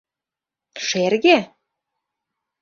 — Шерге?